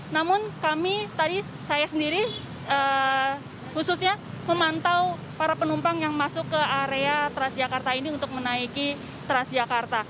namun kami tadi saya sendiri khususnya memantau para penumpang yang masuk ke area transjakarta ini untuk menaiki transjakarta